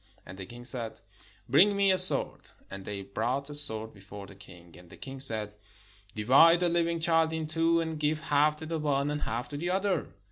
And the king said, "Bring me a sword." And they brought a sword before the king. And the king said, "Divide the Hving child in two, and give half to the one, and half to the other."